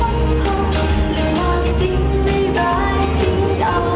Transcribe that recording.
เปิดโอกาสให้เสริมงานรองกาย